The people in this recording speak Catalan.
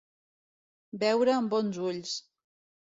Veure amb bons ulls.